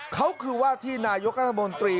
เขาคือว่าที่นายกรัฐมนตรี